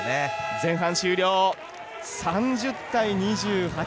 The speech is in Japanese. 前半終了、３０対２８。